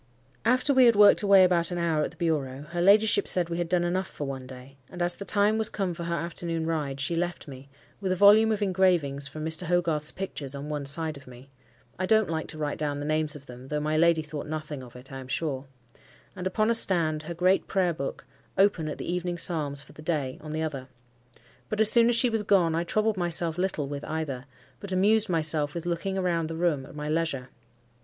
After we had worked away about an hour at the bureau, her ladyship said we had done enough for one day; and as the time was come for her afternoon ride, she left me, with a volume of engravings from Mr. Hogarth's pictures on one side of me (I don't like to write down the names of them, though my lady thought nothing of it, I am sure), and upon a stand her great prayer book open at the evening psalms for the day, on the other. But as soon as she was gone, I troubled myself little with either, but amused myself with looking round the room at my leisure.